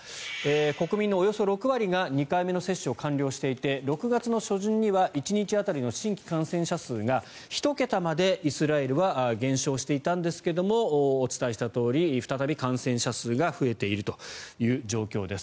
国民のおよそ６割が２回目の接種を完了していて６月初旬には１日当たりの新規感染者が１桁までイスラエルは減少していたんですけどもお伝えしたとおり再び感染者が増えているという状況です。